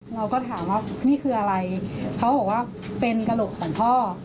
เราก็ถามว่านี่คืออะไรเขาบอกว่าเป็นกระโหลกของพ่อ